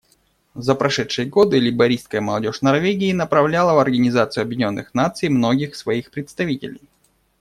За прошедшие годы лейбористская молодежь Норвегии направляла в Организацию Объединенных Наций многих своих представителей.